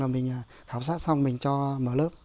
là mình khảo sát xong mình cho mở lớp